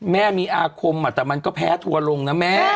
แม่มีอาคมแต่มันก็แพ้ทัวร์ลงนะแม่